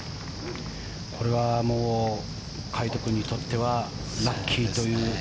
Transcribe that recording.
これは魁斗君にとってはラッキーという。